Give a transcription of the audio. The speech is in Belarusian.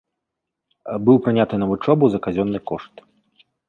Быў прыняты на вучобу за казённы кошт.